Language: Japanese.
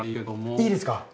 いつですか？